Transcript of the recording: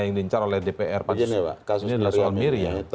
ini adalah soal miriam